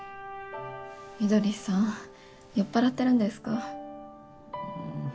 翠さん酔っ払ってるんですか？